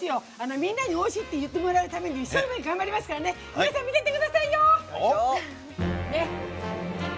みんなにおいしいって言ってもらうために一生懸命頑張りますから皆さん、見ていってくださいよ！